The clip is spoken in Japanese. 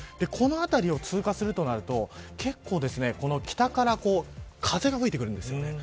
このあたりを通過するとなると結構、北から風が吹いてくるんです。